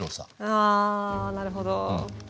あなるほど。